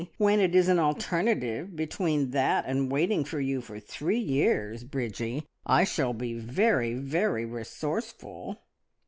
When it is an alternative between that and waiting for you for three years, Bridgie, I shall be very, very resourceful!"